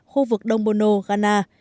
khu vực đông bono ghana